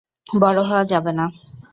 বড় হওয়া যাবে না।